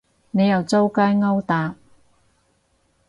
你又周街勾搭